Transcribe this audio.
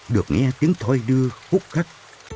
được nghe tiếng thoi đưa hút khắc